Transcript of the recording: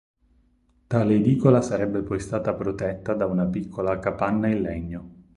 Tale edicola sarebbe poi stata protetta da una piccola capanna in legno.